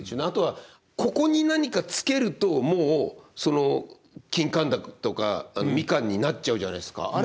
あとはここに何かつけるともうその金柑だとか蜜柑になっちゃうじゃないですか。